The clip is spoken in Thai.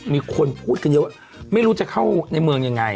มีคนพูดกันเยอะไม่รู้จะเข้าในเมืองยังไง